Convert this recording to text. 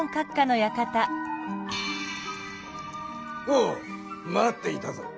おお待っていたぞ。